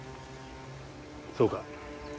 そうか。